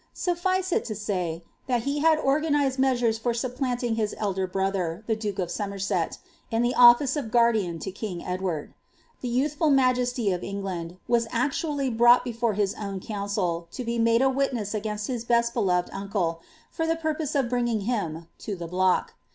Suffice it to say, » had organised measures for supplanting his elder brother, the duke lerset, in the office of guardian to king Edward. The youthful mar of England was actually brought before his own council, to be a witness against his best beloved uncle, for the purpose of bring .m to the block.